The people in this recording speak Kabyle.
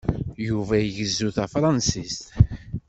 Yuba igezzu tafṛansist.